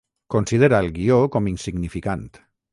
Considera el guió com insignificant.